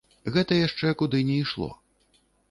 Гэта яшчэ куды не ішло.